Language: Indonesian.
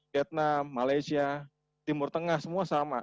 vietnam malaysia timur tengah semua sama